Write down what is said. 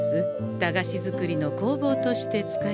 駄菓子作りの工房として使いたいので。